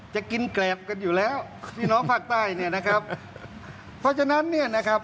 จะกินแกรบกันอยู่แล้วพี่น้องภาคใต้เนี่ยนะครับเพราะฉะนั้นเนี่ยนะครับ